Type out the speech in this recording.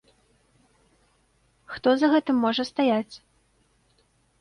Хто за гэтым можа стаяць?